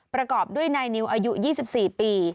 ประกอบด้วยนายนิวอายุ๒๔ปี